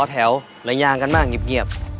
ตอแถวละยางกันมาง่ีบ